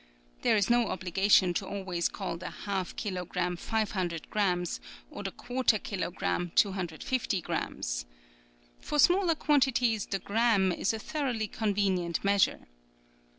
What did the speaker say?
There is no obligation to always call the half kilogramme 500 grammes, or the quar ter kilogramme 250 grammes. For smaller quantities the gramme is a thoroughly con venient measure.